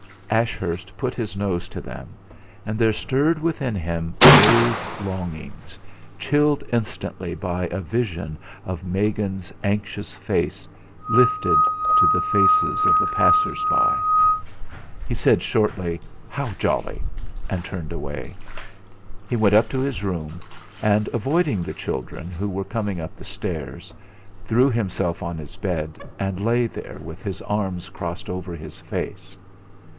Ashurst put his nose to them, and there stirred within him vague longings, chilled instantly by a vision of Megan's anxious face lifted to the faces of the passers by. He said shortly: "How jolly!" and turned away. He went up to his room, and, avoiding the children, who were coming up the stairs, threw himself on his bed, and lay there with his arms crossed over his face.